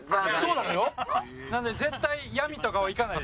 なので絶対。